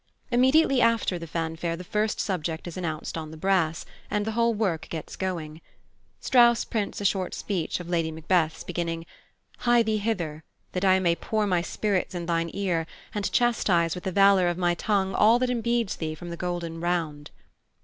Immediately after the fanfare the first subject is announced on the brass, and the whole work gets going. Strauss prints a short speech of Lady Macbeth's beginning, "Hie thee hither, that I may pour My spirits in thine ear; And chastise with the valour of my tongue All that impedes thee from the golden round."